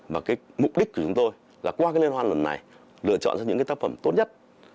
và mục đích của chúng tôi là qua cái lên hoan lần này lựa chọn ra những tác phẩm tốt nhất